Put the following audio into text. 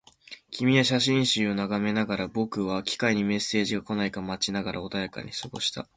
君は写真集を眺めながら、僕は機械にメッセージが来ないか待ちながら穏やかに過ごした